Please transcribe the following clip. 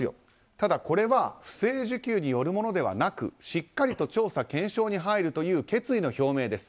ただ、これは不正受給によるものではなくしっかりと調査・検証に入るという決意の表明です。